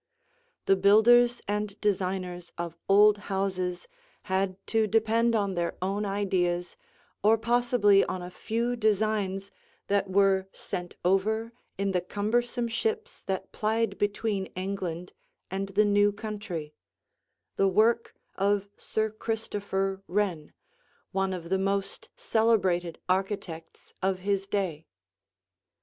The builders and designers of old houses had to depend on their own ideas or possibly on a few designs that were sent over in the cumbersome ships that plied between England and the new country, the work of Sir Christopher Wren, one of the most celebrated architects of his day.